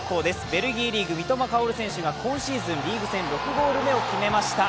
ベルギーリーグ・三笘薫選手が今シーズン６ゴール目を決めました